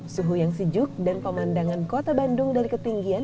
suhu yang sejuk dan pemandangan kota bandung dari ketinggian